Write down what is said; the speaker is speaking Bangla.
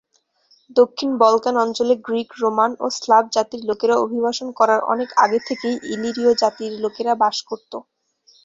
দক্ষিণ বলকান অঞ্চলে গ্রিক, রোমান ও স্লাভ জাতির লোকেরা অভিবাসন করার অনেক আগে থেকেই ইলিরীয় জাতির লোকেরা বাস করত।